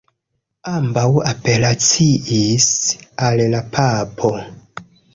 Ambaŭ apelaciis al la papo.